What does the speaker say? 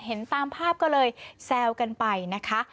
เห็นตามภาพก็เลยแซวกันไปนะคะ